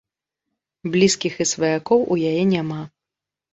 Блізкіх і сваякоў у яе няма.